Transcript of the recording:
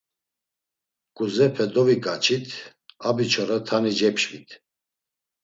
K̆uzepe doviǩaçit abiçora tani cepşvit.